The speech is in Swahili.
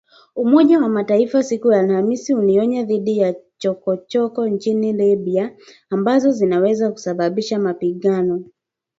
Umoja wa Mataifa siku ya Alhamis ulionya dhidi ya “chokochoko” nchini Libya ambazo zinaweza kusababisha mapigano.